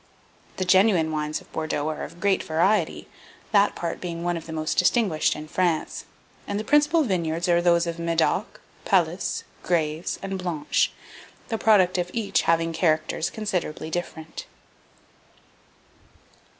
The genuine wines of Bordeaux are of great variety, that part being one of the most distinguished in France; and the principal vineyards are those of Medoc, Palus, Graves, and Blanche, the product of each having characters considerably different.